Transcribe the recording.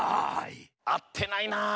あってないなあ。